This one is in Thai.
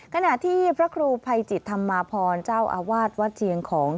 ขณะที่พระครูภัยจิตธรรมาพรเจ้าอาวาสวัดเชียงของ